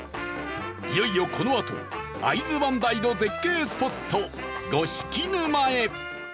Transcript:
いよいよこのあと会津磐梯の絶景スポット五色沼へ